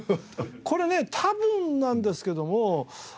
これね多分なんですけども。